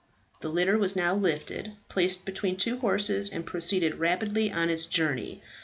The litter was now lifted, placed between two horses, and proceeded rapidly on its journey.